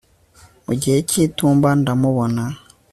Mu gihe cyitumba ndamubona